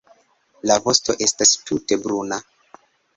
La vosto estas tute bruna.